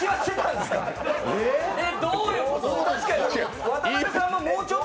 え、どういうこと？